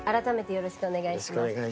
よろしくお願いします。